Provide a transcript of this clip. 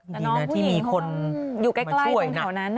ดีนะที่มีคนมาช่วยนะ